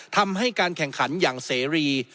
ทำให้การแข่งขันอย่างเสรี